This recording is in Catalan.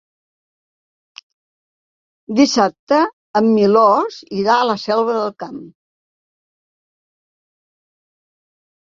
Dissabte en Milos irà a la Selva del Camp.